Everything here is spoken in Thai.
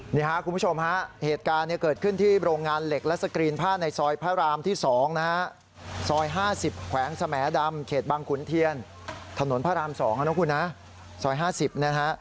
นี่ครับคุณผู้ชมฮะเหตุการณ์เกิดขึ้นที่โรงงานเหล็กและสกรีนผ้าในซอยพระรามที่๒นะฮะซอย๕๐แขวงสแหมดำเขตบางขุนเทียนถนนพระราม๒นะคุณนะซอย๕๐นะฮะ